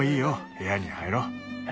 部屋に入ろう。